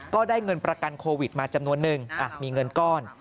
ก็ได้เงินประกันโควิดมาจำนวนนึงมีเงินก้อน